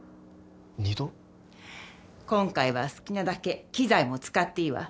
今回は好きなだけ機材も使っていいわ。